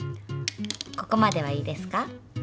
ここまではいいですか？